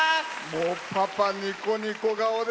もうパパ、ニコニコ顔で。